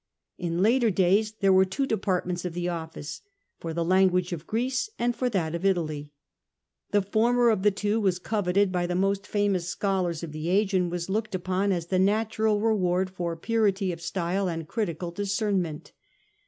In later days there were two departments of the office, for the language of Greece and for that of Italy. The former of the two was coveted by the most famous scholars of the age, and was looked upon as the natural reward for purity of style and critical discernment.